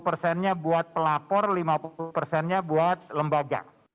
lima puluh persennya buat pelapor lima puluh persennya buat lembaga